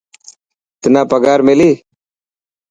تنا پگهار ملي.